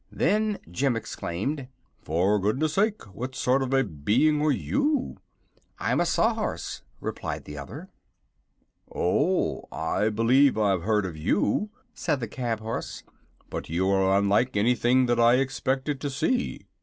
Then Jim exclaimed: "For goodness sake, what sort of a being are you?" "I'm a Sawhorse," replied the other. "Oh; I believe I've heard of you," said the cab horse; "but you are unlike anything that I expected to see."